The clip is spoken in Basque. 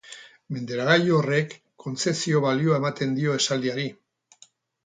Menderagailu horrek kontzesio-balioa ematen dio esaldiari.